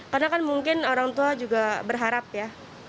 karena kan mungkin orang tua juga berharap ya